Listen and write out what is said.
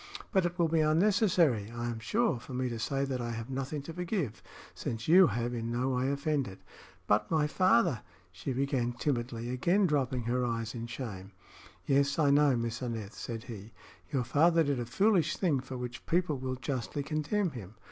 "But it will be unnecessary, I am sure, for me to say that I have nothing to forgive, since you have in no way offended." "But my father " she began, timidly, again dropping her eyes in shame. "Yes, I know, Miss Aneth," said he. "Your father did a foolish thing, for which people will justly condemn him.